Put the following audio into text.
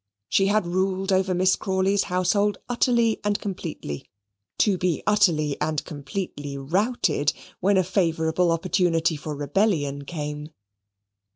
She had ruled over Miss Crawley's household utterly and completely, to be utterly and completely routed when a favourable opportunity for rebellion came.